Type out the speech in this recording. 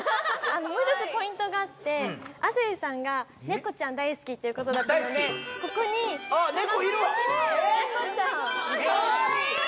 もう一つポイントがあって亜生さんがネコちゃん大好きっていうことだったのでここに卵焼きでネコちゃんあっネコいるわ！